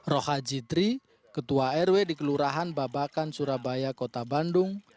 roha jitri ketua rw di kelurahan babakan surabaya kota bandung